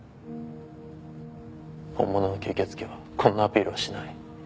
本物の吸血鬼はこんなアピールはしない。